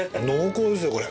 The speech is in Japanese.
濃厚ですよ